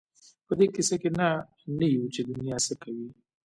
په دې کيسه کې نه یو چې دنیا څه کوي.